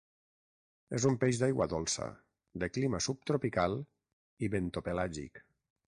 És un peix d'aigua dolça, de clima subtropical i bentopelàgic.